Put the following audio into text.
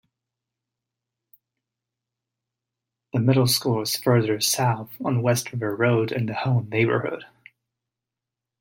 The middle school is further south on West River Road in the Howe neighborhood.